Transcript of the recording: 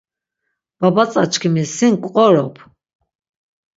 Babatzaçkimi sin ǩqorop.